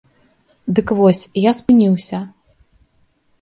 Дык вось, я спыніўся.